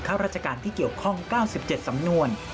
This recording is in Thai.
ข้าราชการที่เกี่ยวข้อง๙๗สำนวน